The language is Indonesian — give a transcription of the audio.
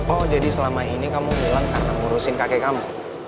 oh jadi selama ini kamu bilang karena ngurusin kakek kamu